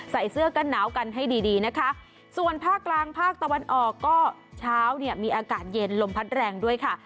ใส่เสื้อกันหนาวกันให้ดีดีนะคะส่วนภาคกลางภาคตะวันออกก็เช้าเนี่ยมีอากาศเย็นลมพัดแรงด้วยค่ะ